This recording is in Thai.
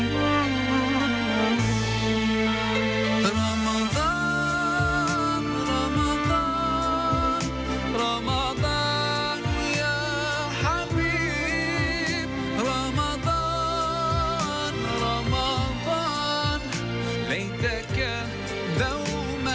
สวัสดีครับ